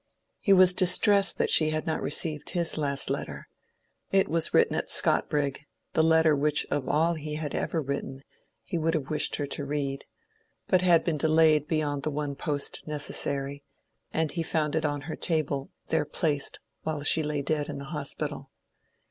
He was distressed that she had not received his last letter. It was written at Scotbrig, — the letter which of all he had ever written he would have wished her to read, — but had been delayed beyond the one post necessary, and he found it on her table, there placed while she lay dead in the hospital.